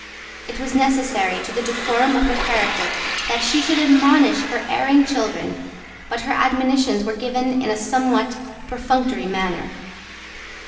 It was necessary to the decorum of her character that she should admonish her erring children: but her admonitions were given in a somewhat perfunctory manner.